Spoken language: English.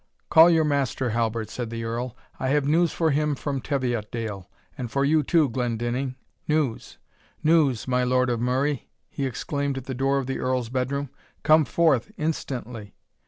"Call your master, Halbert," said the Earl; "I have news for him from Teviotdale; and for you too, Glendinning. News! news! my Lord of Murray!" he exclaimed at the door of the Earl's bedroom; "come forth instantly."